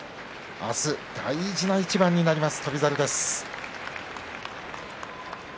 明日は大事な一番になります翔猿です。